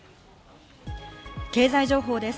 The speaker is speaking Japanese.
経済情報です。